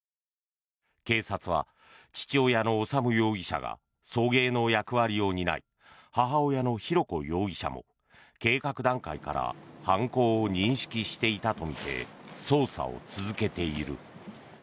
警察は父親の修容疑者が送迎の役割を担い母親の浩子容疑者も計画段階から犯行を認識していたとみて捜査を続けている。